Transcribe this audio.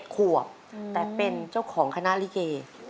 ขวบแต่เป็นเจ้าของคณะลิเก